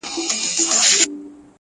• په لېمو دي پوهومه..